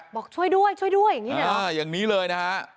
บอกช่วยด้วยช่วยด้วยอย่างนี้นะอย่างนี้เลยนะฮะ